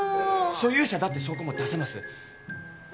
所有者だって証拠も出せます。